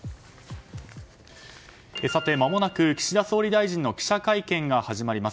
まもなく岸田総理大臣の記者会見が始まります。